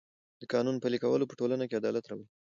د قانون پلي کول په ټولنه کې عدالت راولي.